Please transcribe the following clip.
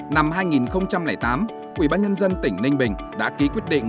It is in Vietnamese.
năm hai nghìn tám quỹ ban nhân dân tỉnh ninh bình đã ký quyết định